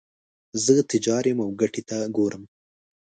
زه تجار یم او ګټې ته ګورم.